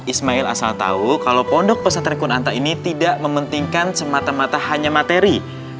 ismail asal tahu kalau pondok pesantren kunanta ini tidak mementingkan semata mata hanya materi